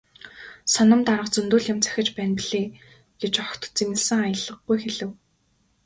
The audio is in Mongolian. "Соном дарга зөндөө л юм захиж байна билээ" гэж огт зэмлэсэн аялгагүй хэлэв.